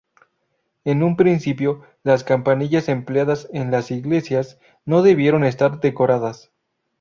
En un principio, las campanillas empleadas en las iglesias no debieron estar decoradas.